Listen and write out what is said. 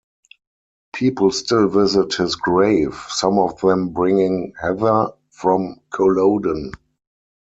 People still visit his grave, some of them bringing heather from Culloden.